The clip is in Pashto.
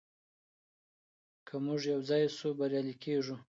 که موږ يو ځای سو بريالي کيږو.